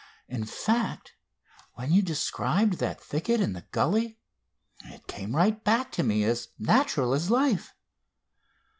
In fact, when you described that thicket and the gully, it came right back to me, as natural as life.